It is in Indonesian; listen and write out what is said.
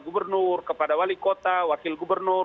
gubernur kepada wali kota wakil gubernur